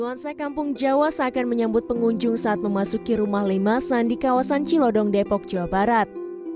nuansa kampung jawa seakan menyambut pengunjung saat memasuki rumah limasan di kawasan cilodong depok jawa barat